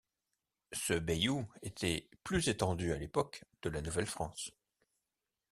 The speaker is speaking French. Ce bayou était plus étendu à l'époque de la Nouvelle-France.